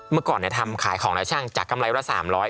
เมื่อก่อนทำขายของแล้วช่างจากกำไรละ๓๐๐